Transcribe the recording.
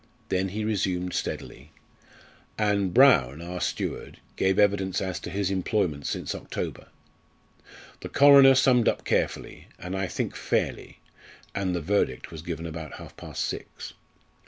Then he resumed steadily "And Brown, our steward, gave evidence as to his employment since October. The coroner summed up carefully, and I think fairly, and the verdict was given about half past six."